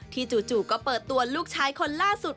จู่ก็เปิดตัวลูกชายคนล่าสุด